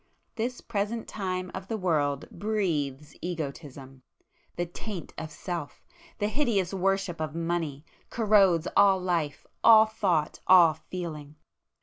This present time of the world breathes Egotism,—the taint of Self, the hideous worship of money, corrodes all life, all thought, all feeling.